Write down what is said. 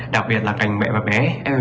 đặc biệt là cảnh mẹ và bé